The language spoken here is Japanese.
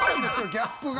ギャップが。